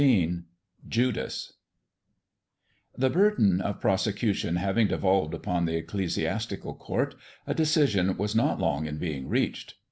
XV JUDAS THE burden of prosecution having devolved upon the Ecclesiastical Court, a decision was not long in being reached.